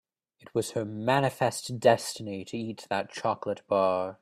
It was her manifest destiny to eat that chocolate bar.